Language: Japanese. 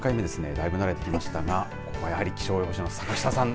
だいぶ慣れてきましたがここは気象予報士の坂下さん